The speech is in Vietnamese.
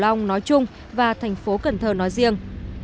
sạt lở ven sông nói chung và thành phố cần thờ nói riêng